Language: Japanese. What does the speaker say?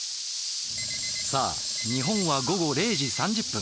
さあ日本は午後０時３０分。